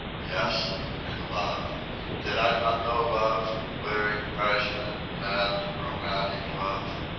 Yes; and love! Did I not know love—lyric, passionate, mad, romantic love?